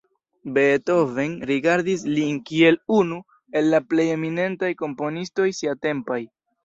Beethoven rigardis lin kiel unu el la plej eminentaj komponistoj siatempaj.